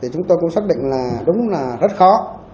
chúng tôi cũng xác định là đúng là rất khó